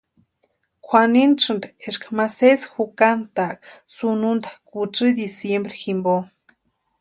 Kwʼanisïnti eska ma sési jukantaaka sununta kutsï diciembre jimpo.